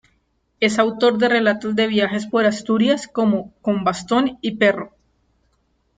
Es autor de relatos de viajes por Asturias, como "Con bastón y perro".